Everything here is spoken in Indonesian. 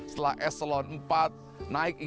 setelah eselon empat naik